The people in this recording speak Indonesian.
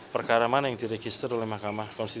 perkara mana yang diregister oleh mk